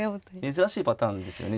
珍しいパターンですよね